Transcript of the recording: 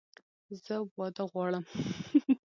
زه واده غواړم!